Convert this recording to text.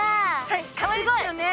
はいかわいいですよね。